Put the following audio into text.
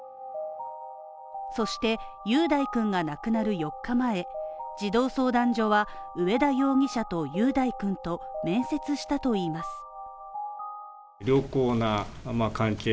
そして、雄大君が亡くなる４日前児童相談所は上田容疑者と雄大君と面接したといいます。